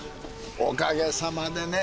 おかげさまでね。